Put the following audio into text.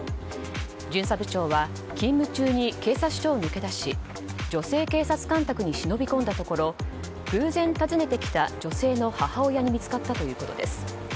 巡査部長は勤務中に警察署を抜け出し女性警察官宅に忍び込んだところ偶然訪ねてきた女性の母親に見つかったということです。